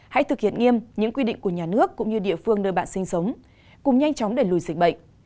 hãy thực hiện nghiêm những quy định của nhà nước cũng như địa phương nơi bạn sinh sống cùng nhanh chóng đẩy lùi dịch bệnh